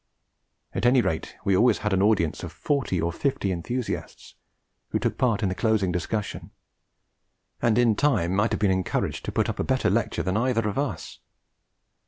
At any rate we always had an audience of forty or fifty enthusiasts, who took part in the closing discussion, and in time might have been encouraged to put up a better lecture than either of us.